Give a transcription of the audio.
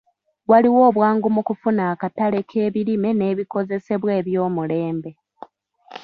Waliwo obwangu mu kufuna akatale k'ebirime n'ebikozesebwa eby'omulembe.